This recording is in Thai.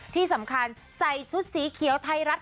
ที่สำคัญใส่ชุดสีเขียวไทยรัฐ